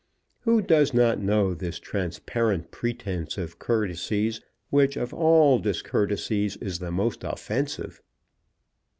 Who does not know this transparent pretence of courtesies, which of all discourtesies is the most offensive?